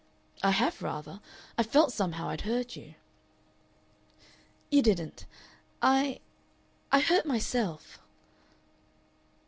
"I have rather. I felt somehow I'd hurt you." "You didn't. I I hurt myself."